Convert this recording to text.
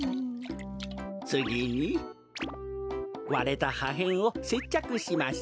つぎにわれたはへんをせっちゃくします。